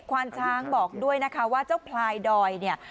วานช้างบอกด้วยนะคะว่าเจ้าพลายดอยเนี่ย